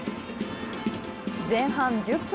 前半１０分。